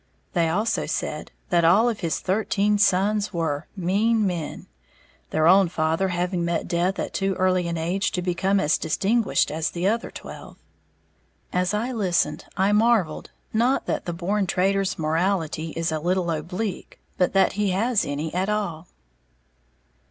They also said that all of his thirteen sons were "mean men," their own father having met death at too early an age to become as distinguished as the other twelve. As I listened, I marvelled, not that the "born trader's" morality is a little oblique, but that he has any at all.